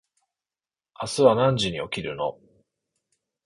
明日は何時に起きるの？